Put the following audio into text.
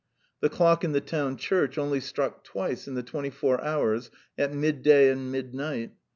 The clock in the town church only struck twice in the twenty four hours at midday and midnight.